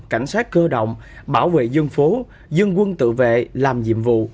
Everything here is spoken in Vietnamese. cảnh sát cơ động bảo vệ dân phố dân quân tự vệ làm nhiệm vụ